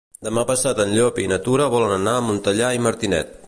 Demà passat en Llop i na Tura volen anar a Montellà i Martinet.